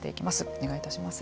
お願いいたします。